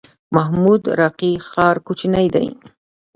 محمود راقي ښار کوچنی دی؟